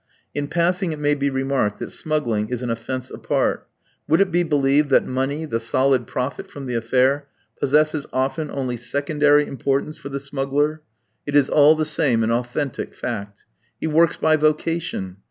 In passing it may be remarked that smuggling is an offence apart. Would it be believed that money, the solid profit from the affair, possesses often only secondary importance for the smuggler? It is all the same an authentic fact. He works by vocation.